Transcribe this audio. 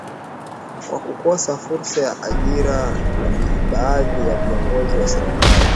kwa kukosa fursa za ajira na baadhi ya viongozi wa serikali